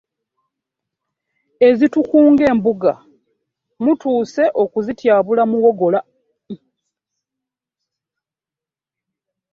Ezitukunga embuga mutuuse okuzityabula muwogola.